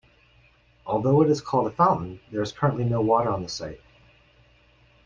Although it is called a fountain, there is currently no water on the site.